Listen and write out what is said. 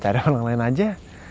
cara orang lain aja